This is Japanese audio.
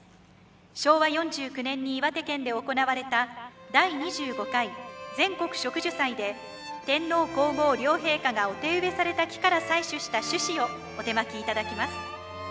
昭和４９年に岩手県で行われた第２５回全国植樹祭で天皇皇后両陛下がお手植えされた木から採取した種子をお手播きいただきます。